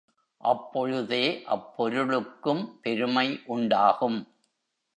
அப்பொழுதே அப் பொருளுக்கும் பெருமை உண்டாகும்.